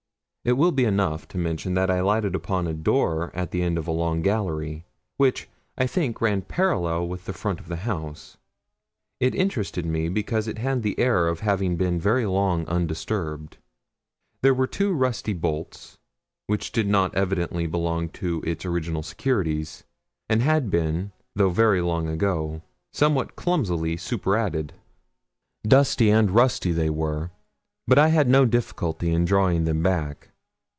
It will be enough to mention that I lighted upon a door at the end of a long gallery, which, I think, ran parallel with the front of the house; it interested me because it had the air of having been very long undisturbed. There were two rusty bolts, which did not evidently belong to its original securities, and had been, though very long ago, somewhat clumsily superadded. Dusty and rusty they were, but I had no difficulty in drawing them back.